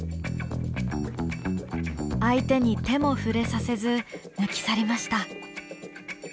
相手に手も触れさせず抜き去りました。